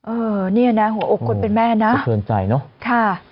เออเนี่ยนะหัวอกคนเป็นแม่นะ